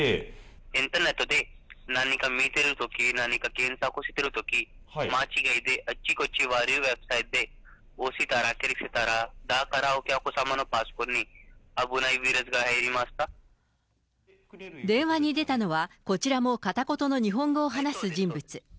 インターネットで何か見てるとき、何か検索してるとき、間違いで、あっちこっち悪い、開けたら、押したら、だから、お客様のパソコンに危ないウイルスが入りまし電話に出たのは、こちらも片言の日本語を話す人物。